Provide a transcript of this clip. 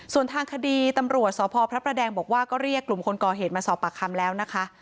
ส่วนทางคดีตำรวจสพพระประแดงบอกว่าก็เรียกกลุ่มคนก่อเหตุมาสอบปากคำแล้วนะคะ